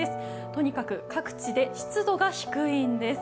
とにかく各地で湿度が低いんです。